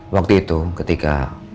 waktu itu ketika